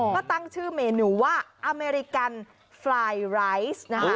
ก็ตั้งชื่อเมนูว่าอเมริกันฟลายไรซ์นะคะ